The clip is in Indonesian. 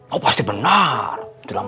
oh pasti bener